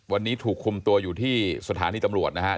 วันนี้ถูกคุมตัวอยู่ที่สถานีตำรวจนะครับ